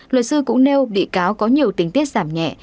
luật sư cũng nêu bị cáo có nhiều tình tiết giảm nhẹ